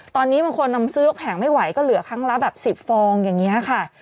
ตอนนี้บางคนนำซื้อยกแผงไม่ไหวก็เหลือครั้งละแบบ๑๐ฟองอย่างนี้ค่ะ